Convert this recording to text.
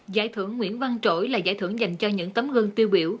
giải thưởng nguyễn văn trỗi là giải thưởng dành cho những tấm gương tiêu biểu